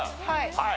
はい。